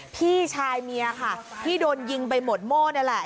พี่ชายเมียค่ะที่โดนยิงไปหมดโม่นี่แหละ